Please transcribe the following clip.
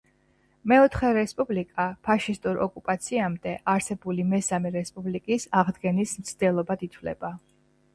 მეოთხე რესპუბლიკა ფაშისტურ ოკუპაციამდე არსებული მესამე რესპუბლიკის აღდგენის მცდელობად ითვლება.